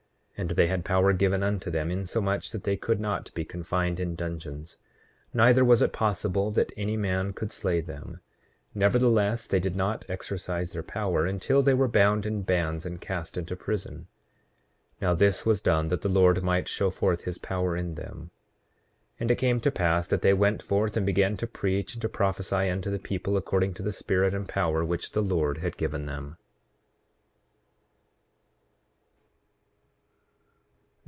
8:31 And they had power given unto them, insomuch that they could not be confined in dungeons; neither was it possible that any man could slay them; nevertheless they did not exercise their power until they were bound in bands and cast into prison. Now, this was done that the Lord might show forth his power in them. 8:32 And it came to pass that they went forth and began to preach and to prophesy unto the people, according to the spirit and power which the Lord had given them.